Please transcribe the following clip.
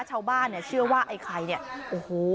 ชาวบ้านเชื่อว่าไอ้ไข่นี่โอ้โฮ